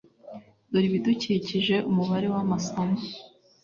dore ibidukikije umubare w’amasomo